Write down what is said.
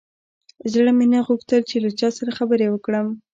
زړه مې نه غوښتل چې له چا سره خبرې وکړم.